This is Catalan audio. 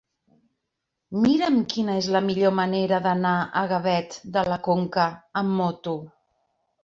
Mira'm quina és la millor manera d'anar a Gavet de la Conca amb moto.